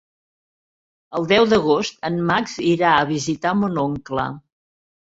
El deu d'agost en Max irà a visitar mon oncle.